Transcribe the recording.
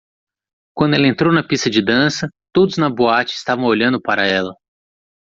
Quando ela entrou na pista de dança, todos na boate estavam olhando para ela.